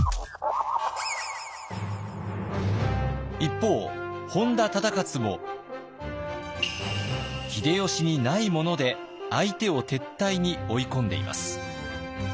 一方本多忠勝も秀吉にないもので相手を撤退に追い込んでいます。